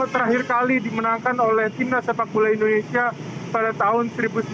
terakhir kali dimenangkan oleh timnas sepak bola indonesia pada tahun seribu sembilan ratus sembilan puluh